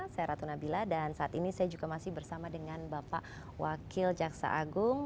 saya ratu nabila dan saat ini saya juga masih bersama dengan bapak wakil jaksa agung